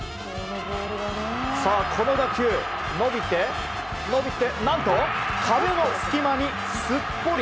この打球、伸びて、伸びて何と、壁の隙間にすっぽり。